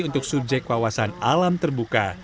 untuk subjek wawasan alam terbuka